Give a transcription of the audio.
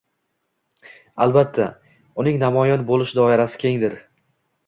Albatta, uning namoyon bo‘lish doirasi kengdir: